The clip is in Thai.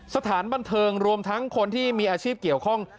สถานบันเทิงรวมทั้งคนที่มีอาชีพเกี่ยวข้อง